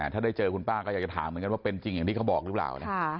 ถ้าได้เจอคุณป้าก็อยากจะถามเหมือนกันว่าเป็นจริงอย่างที่เขาบอกหรือเปล่านะ